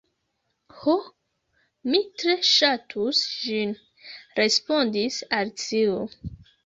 "Ho, mi tre ŝatus ĝin," respondis Alicio.